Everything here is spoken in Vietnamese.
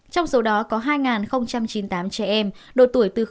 trong số đó có hai chín mươi tám trẻ em đột tuổi từ đến một mươi năm tuổi